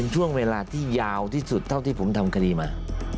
ช่วงเวลาที่ยาวที่สุดเท่าที่ผมทำคดีมา